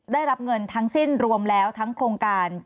ได้รับเงินทั้งสิ้นรวมแล้วทั้งโครงการ